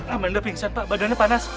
amanda pingsan pak badannya panas